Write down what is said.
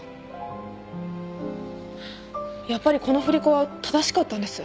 やっぱりこの振り子は正しかったんです。